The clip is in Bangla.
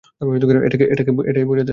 এটাইতো বুঝাচ্ছি তাকে।